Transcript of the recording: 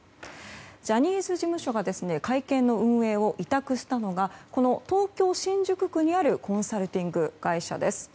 ジャニーズ事務所が会見の運営を委託したのがこの東京・新宿にあるコンサルティング会社です。